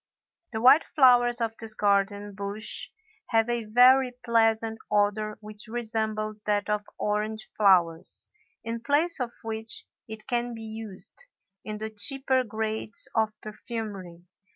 The white flowers of this garden bush have a very pleasant odor which resembles that of orange flowers, in place of which it can be used, in the cheaper grades of perfumery.